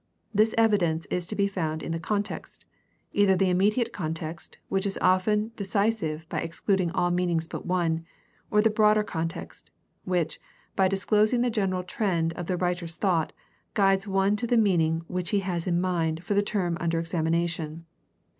This evidence is to be found in the context — either the immediate context, which is often decisive by excluding all meanings but one, or the broader context, which, by disclosing the general trend of the writer's thought, guides one to the meaning which he has in mind for the term under examination.